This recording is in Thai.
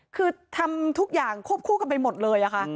คือทำทุกอย่างควบคู่กันไปหมดเลยค่ะ